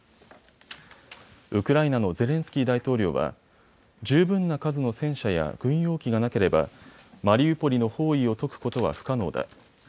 ウクライナのゼレンスキー大統領は十分な数の戦車や軍用機がなければマリウポリの包囲を解くことは不可能だ。